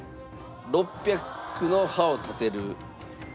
６００の刃を立てる。